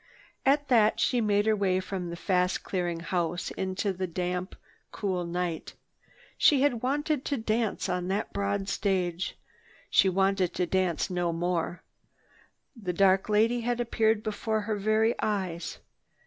At that she made her way from the fast clearing house out into the cool, damp night. She had wanted to dance on that broad stage. She wanted to dance no more. The dark lady had appeared before her very eyes.